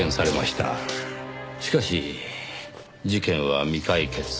しかし事件は未解決。